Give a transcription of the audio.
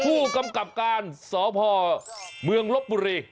ผู้กำกับการสพเมืองลบบุรี